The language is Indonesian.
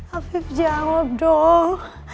afif jawab dong